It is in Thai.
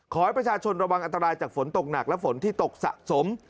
ขอให้ประชาชนระวังอันตรายจากฝนตกหนักและฝนที่ตกสะสม